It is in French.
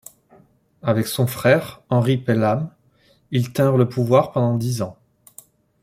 Avec son frère, Henry Pelham, ils tinrent le pouvoir pendant dix ans.